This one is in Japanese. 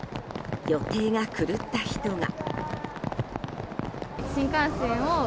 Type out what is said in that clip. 予定が狂った人が。